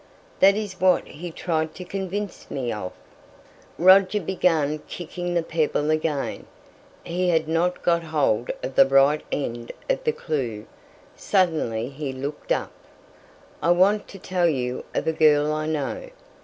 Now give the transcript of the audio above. "That is what he tried to convince me of." Roger began kicking the pebble again. He had not got hold of the right end of the clue. Suddenly he looked up. "I want to tell you of a girl I know.